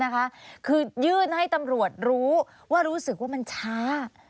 คือยื่นให้ตำรวจรู้ว่ารู้สึกว่ามันช้า